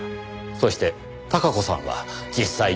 そして孝子さんは実際にそうした。